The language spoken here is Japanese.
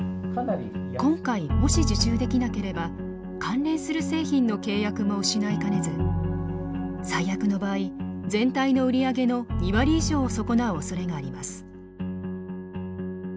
今回もし受注できなければ関連する製品の契約も失いかねず最悪の場合全体の売り上げの２割以上を損なうおそれがあります。